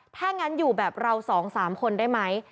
ถ้างั้นอยู่แบบเรา๒๓คนได้ไหม